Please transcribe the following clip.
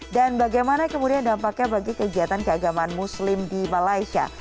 dan bagaimana kemudian dampaknya bagi kegiatan keagamaan muslim di malaysia